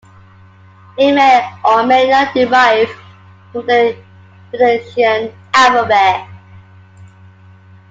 It may or may not derive from the Phoenician alphabet.